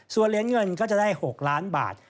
ส่วนเหรียญเงินก็จะได้๖ล้านบาท